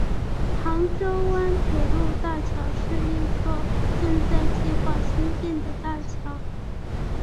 杭州湾铁路大桥是一座正在计划兴建的大桥。